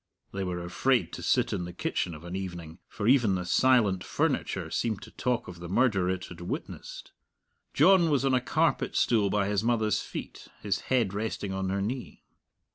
(They were afraid to sit in the kitchen of an evening, for even the silent furniture seemed to talk of the murder it had witnessed.) John was on a carpet stool by his mother's feet, his head resting on her knee.